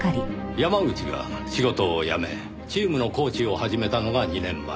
山口が仕事を辞めチームのコーチを始めたのが２年前。